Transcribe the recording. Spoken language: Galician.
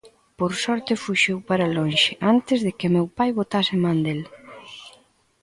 Por sorte fuxiu para lonxe antes de que meu pai botase man del.